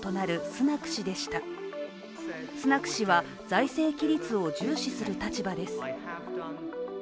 スナク氏は財政規律を重視する立場です。